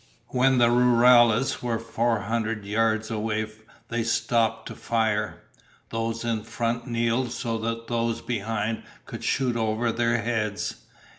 When the rurales were four hundred yards away they stopped to fire. Those in front kneeled so that those behind could shoot over their heads.